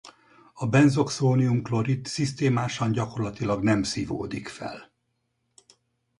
A benzoxónium-klorid szisztémásan gyakorlatilag nem szívódik fel.